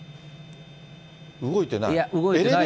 動いてない？